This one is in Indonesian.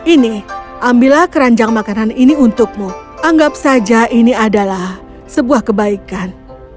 ini ambillah keranjang makanan ini untukmu anggap saja ini adalah sebuah kebaikan